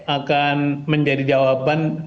akan menjadi jawaban